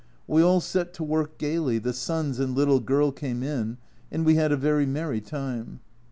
We all set to work gaily, the sons and little girl came in, and we had a very merry time.